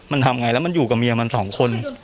มันทำไงแล้วมันอยู่กับเมียมันสองคน